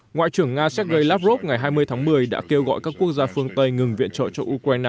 ngoại trưởng nga sergei lavrov ngày hai mươi tháng một mươi đã kêu gọi các quốc gia phương tây ngừng viện trợ cho ukraine